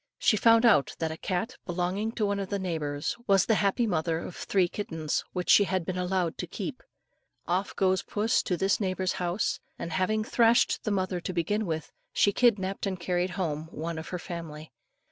She found out that a cat, belonging to one of the neighbours, was the happy mother of three kittens which she had been allowed to keep. Off goes puss to this neighbour's house, and having thrashed the mother to begin with, she kidnapped and carried home one of her family.